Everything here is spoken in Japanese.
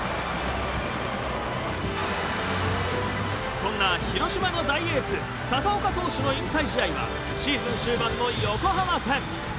そんな広島の大エース佐々岡投手の引退試合はシーズン終盤の横浜戦。